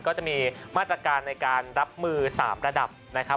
ก็จะมีมาตรการในการรับมือ๓ระดับนะครับ